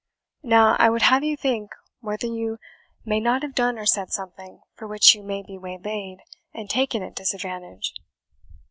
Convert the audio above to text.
Now, I would have you think whether you may not have done or said something for which you may be waylaid, and taken at disadvantage."